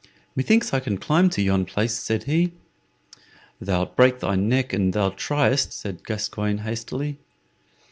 "Methinks I can climb to yon place," said he. "Thou'lt break thy neck an thou tryest," said Gascoyne, hastily.